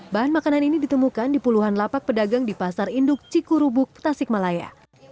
bahan makanan ini ditemukan di puluhan lapak pedagang di pasar induk cikurubuk tasikmalaya